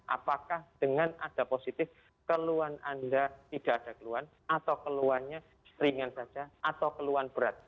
apakah dengan ada positif keluhan anda tidak ada keluhan atau keluhannya ringan saja atau keluhan berat